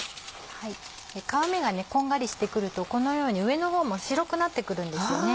皮目がこんがりしてくるとこのように上の方も白くなってくるんですよね。